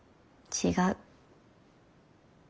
違う？